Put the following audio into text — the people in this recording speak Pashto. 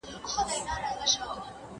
¬ گمان نه کوم، چي دا وړۍ دي شړۍ سي.